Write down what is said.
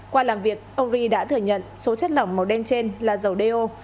qua làm việc ông ri đã thừa nhận số chất lỏng màu đen trên là dầu do